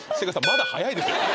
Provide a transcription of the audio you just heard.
まだ早いですよ